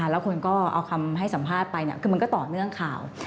แล้วคนก็เอาคำให้สัมภาษณ์ไปคือมันก็ต่อเนื่องข่าว